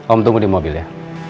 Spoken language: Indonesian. om tunggu di mobil ya